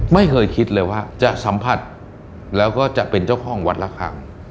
ไม่เคยคิดเลยว่าจะสัมผัสแล้วก็จะเป็นเจ้าของวัดละครั้ง